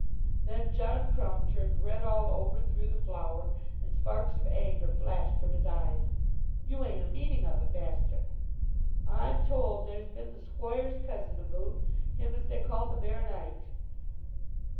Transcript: Then John Crumb turned red all over, through the flour, and sparks of anger flashed from his eyes. "You ain't a meaning of it, master?" "I'm told there's been the squoire's cousin aboot, him as they call the baronite."